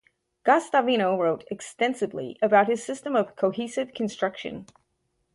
Guastavino wrote extensively about his system of "Cohesive Construction".